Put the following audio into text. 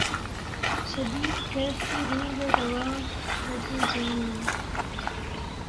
شدید درد کی رو ہے رواں رگ ِ جاں میں